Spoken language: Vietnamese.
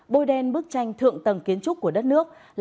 bôi đen bức tranh thượng tầng kiến trúc của đất nước